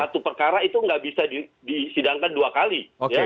dan satu perkara itu nggak bisa disidangkan dua kali